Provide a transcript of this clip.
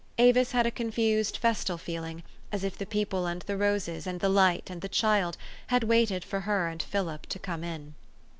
Avis had a confused festal feeling, as if the people and the roses, and the light and the child, had waited for her and Philip to come in.